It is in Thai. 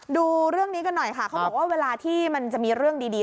ดูเรื่องนี้กันหน่อยค่ะเขาบอกว่าเวลาที่มันจะมีเรื่องดี